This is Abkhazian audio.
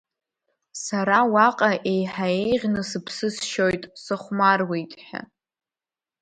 Сара уаҟа еиҳа еиӷьны сыԥсы сшьоит, сыхәмаруеит ҳәа.